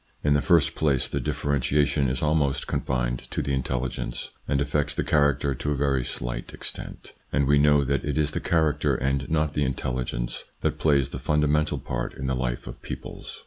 In the first place, the differentiation is almost confined to the intelligence, and affects the character to a very slight extent ; and we know that it is the character and not the intelli gence that plays the fundamental part in the life of peoples.